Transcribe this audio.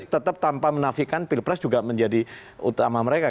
tetap tanpa menafikan pilpres juga menjadi utama mereka